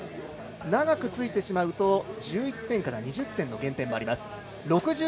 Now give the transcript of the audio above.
長くついてしまうと１１点から２０点の減点もあります。